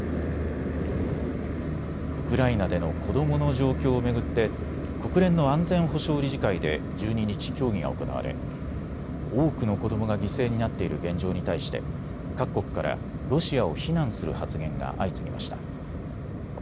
ウクライナでの子どもの状況を巡って国連の安全保障理事会で１２日、協議が行われ多くの子どもが犠牲になっている現状に対して各国からロシアを非難する発言が相次ぎました。